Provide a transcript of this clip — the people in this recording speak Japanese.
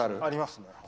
ありますね。